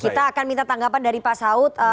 kita akan minta tanggapan dari pak saud